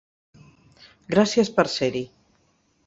Gràcies per ser-hi.